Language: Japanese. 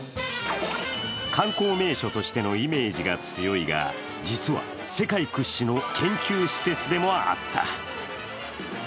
観光名所としてのイメージが強いが、実は、世界屈指の研究施設でもあった。